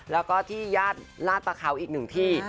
แล้วก็ที่ญาติลาดประเขาอีกหนึ่งที่